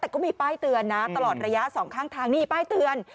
แต่ก็มีป้ายเตือนนะตลอดระยะสองข้างทางนี่ป้ายเตือน